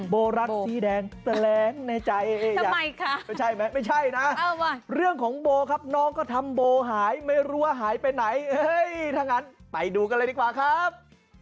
โบรัสสีแดงแสลงในใจไหมไม่ใช่นะเรื่องของโบครับน้องก็ทำโบหายไม่รู้ว่าหายไปไหนถ้างั้นไปดูกันเลยดีกว่าครับ